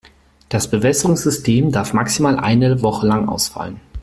Das Bewässerungssystem darf maximal eine Woche lang ausfallen.